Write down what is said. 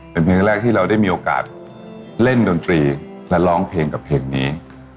เป็นเพลงแรกที่เราได้มีโอกาสเล่นดนตรีและร้องเพลงกับเพลงนี้